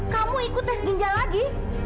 kamu ikut tes ginjal lagi